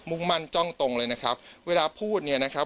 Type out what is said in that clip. มั่นจ้องตรงเลยนะครับเวลาพูดเนี่ยนะครับ